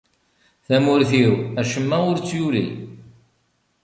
Tamurt-iw, acemma ur tt-yuli.